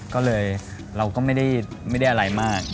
ก็เลยเราก็ไม่ได้อะไรมาก